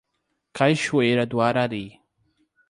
Cachoeira do Arari